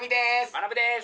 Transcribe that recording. まなぶです！